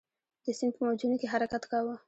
د سیند په موجونو کې حرکت کاوه.